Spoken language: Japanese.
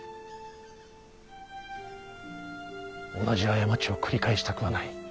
同じ過ちを繰り返したくはない。